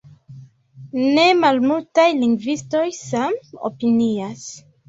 Nemalmultaj lingvistoj same opinias.